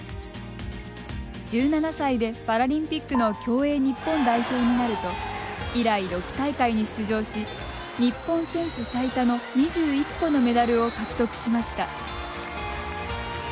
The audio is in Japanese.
１７歳でパラリンピックの競泳日本代表になると以来６大会に出場し日本選手最多の２１個のメダルを獲得しました。